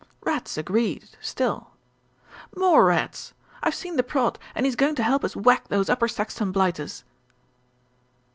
u Rats agreed; still" "More rats. I've seen the prod, and he's going to help us whack those Upper Saxton blighters."